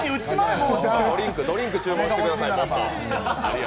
もっとドリンク注文してください。